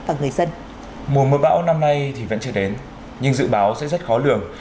mùa mưa bão năm nay thì vẫn chưa đến nhưng dự báo sẽ rất khó lường